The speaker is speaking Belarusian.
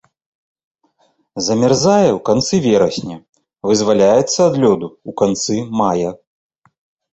Замярзае ў канцы верасня, вызваляецца ад лёду ў канцы мая.